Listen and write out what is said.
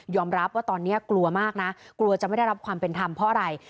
รับว่าตอนนี้กลัวมากนะกลัวจะไม่ได้รับความเป็นธรรมเพราะอะไร